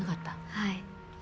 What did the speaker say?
はい。